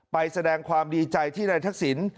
ไปแสดงความดีใจที่นายทักษิณ